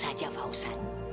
tenang saja pausan